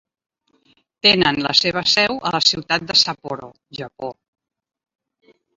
Tenen la seva seu a la ciutat de Sapporo, Japó.